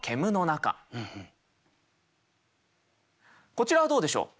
こちらはどうでしょう？